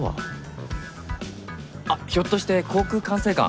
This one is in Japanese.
あっひょっとして航空管制官？